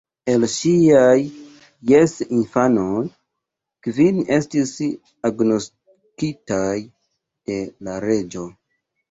El ŝiaj ses infanoj, kvin estis agnoskitaj de la reĝo.